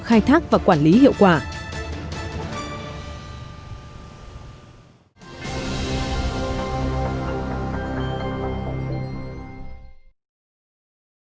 khai thác và quản lý hiệu quả